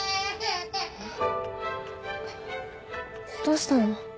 ☎どうしたの？